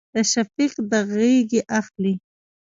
د شفق د غیږې اخلي